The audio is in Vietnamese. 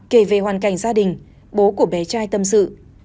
kể về hoàn cảnh gia đình bố của bé trai tâm sự